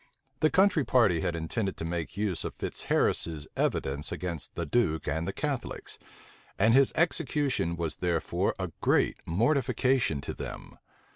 The country party had intended to make use of Fitzharris's evidence against the duke and the Catholics; and his execution was therefore a great mortification to them.